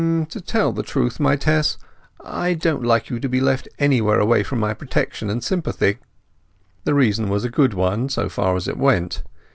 "To tell the truth, my Tess, I don't like you to be left anywhere away from my protection and sympathy." The reason was a good one, so far as it went.